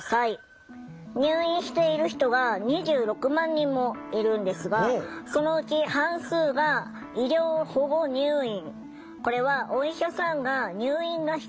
入院している人が２６万人もいるんですがそのうち半数が医療保護入院。